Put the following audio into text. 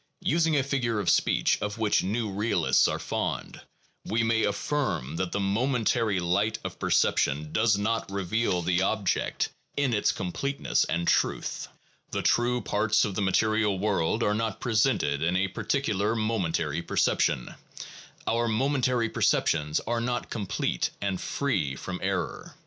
Using a figure of speech of which new realists are fond, we may affirm that the momentary light of perception does not reveal the object No. 4.] RELATION OF CONSCIOUSNESS AND OBJECT. 425 in its completeness and truth. The true parts of the material world are not presented in a particular momentary perception; our momentary perceptions are not complete and free from error.